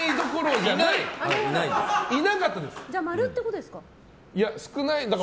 じゃあ○ってことですか？